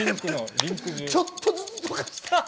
ちょっとずつ溶かしたい。